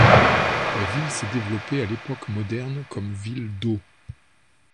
La ville s'est développée à l'époque moderne comme ville d'eau.